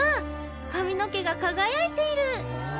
髪の毛が輝いている！